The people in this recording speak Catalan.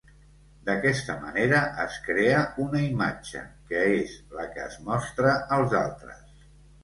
D'aquesta manera es crea una imatge, que és la que es mostra als altres.